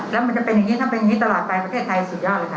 แล้วมันจะเป็นอย่างนี้ถ้าเป็นอย่างนี้ตลอดไปประเทศไทยสุดยอดเลยค่ะ